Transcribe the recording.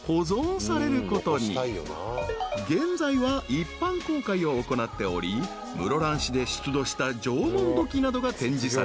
［現在は一般公開を行っており室蘭市で出土した縄文土器などが展示されている］